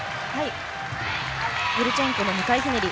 ユルチェンコの２回ひねり。